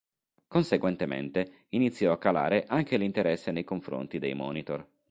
Conseguentemente, iniziò a calare anche l'interesse nei confronti dei monitor.